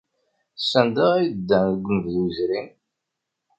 Sanda ay ddant deg unebdu yezrin?